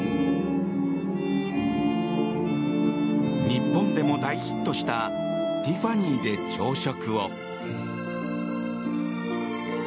日本でも大ヒットした「ティファニーで朝食を」。